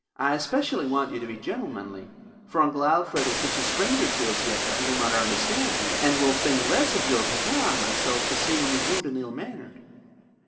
I especially want you to be gentlemanly; for Uncle Alfred is such a stranger to us yet that he will not understand you, and will think less of your papa and myself for seeing you rude and ill mannered.